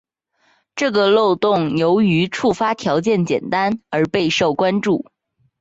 这个漏洞由于触发条件简单而备受关注。